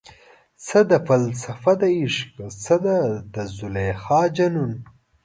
څه ده فلسفه دعشق، څه د زلیخا جنون؟